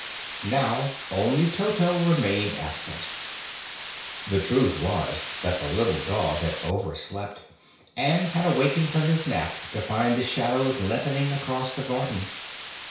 Now only Toto remained absent. The truth was that the little dog had overslept and had awakened from his nap to find the shadows lengthening across the garden.